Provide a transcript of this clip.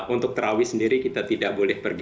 untuk terawih sendiri kita tidak boleh pergi